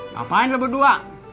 ngapain lo berdua